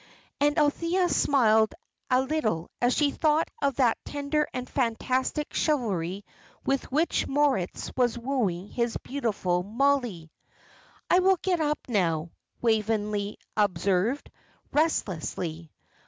And Althea smiled a little as she thought of that tender and fantastic chivalry with which Moritz was wooing his beautiful Mollie. "I will get up now," Waveney observed, restlessly.